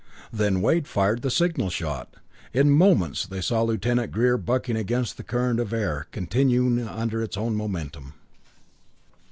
Then Wade fired the signal shot. In moments they saw Lieutenant Greer bucking against the current of air, continuing under its own momentum.